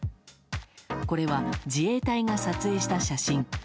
これは自衛隊が撮影した写真。